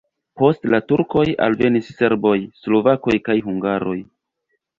Post la turkoj alvenis serboj, slovakoj kaj hungaroj.